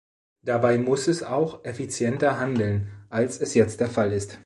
Dabei muss es auch effizienter handeln, als es jetzt der Fall ist.